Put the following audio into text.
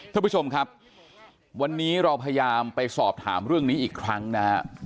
ท่านผู้ชมครับวันนี้เราพยายามไปสอบถามเรื่องนี้อีกครั้งนะฮะ